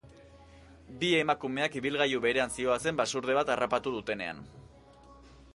Bi emakumeak ibilgailu berean zihoazen basurde bat harrapatu dutenean.